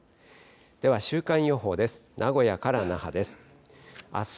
では、週間予報です。